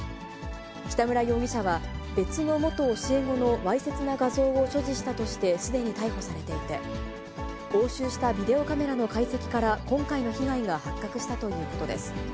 北村容疑者は別の元教え子のわいせつな画像を所持したとして、すでに逮捕されていて、押収したビデオカメラの解析から、今回の被害が発覚したということです。